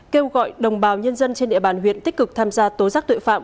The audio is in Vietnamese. kêu gọi đồng bào nhân dân trên địa bàn huyện tích cực tham gia tố giác tội phạm